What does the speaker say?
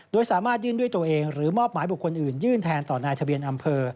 โดยสามารถยื่นด้วยตัวเองหรือมอบหมายบุคคลอื่นยื่นแทนต่อนายทะเบียนอำเภอ